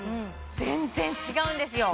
全然違うんですよ